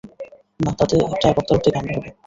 না, তাতে একটা রক্তারক্তি কান্ড হবে।